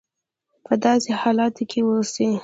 په داسې حالاتو کې اوسي.